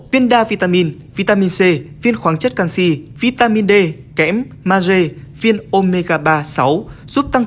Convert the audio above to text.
viên đa vitamin vitamin c viên khoáng chất canxi vitamin d kẽm maze viên omega ba sáu giúp tăng